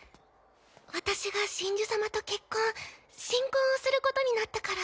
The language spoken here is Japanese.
私が神樹様と結婚神婚をすることになったから。